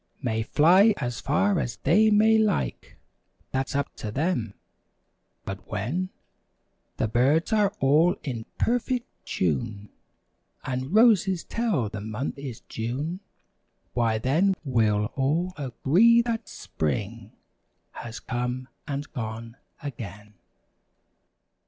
May fly as far as they may like. That's up to them. But when The birds are all in perfect tune And roses tell the month is June. Why then we'll all agree that Spring Has come and gone again.